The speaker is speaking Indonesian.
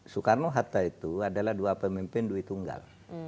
soekarno hatta itu adalah dua pemimpin duit tunggal